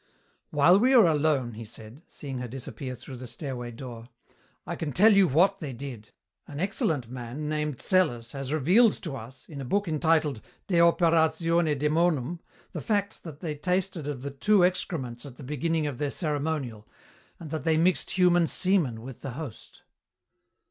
"While we are alone," he said, seeing her disappear through the stairway door, "I can tell you what they did. An excellent man named Psellus has revealed to us, in a book entitled De operatione Dæmonum, the fact that they tasted of the two excrements at the beginning of their ceremonial, and that they mixed human semen with the host."